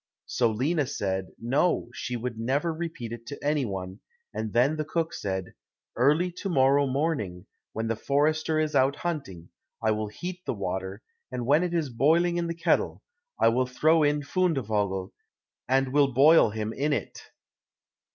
So Lina said, no, she would never repeat it to anyone, and then the cook said, "Early to morrow morning, when the forester is out hunting, I will heat the water, and when it is boiling in the kettle, I will throw in Fundevogel, and will boil him in it."